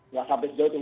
enggak sampai sejauh itu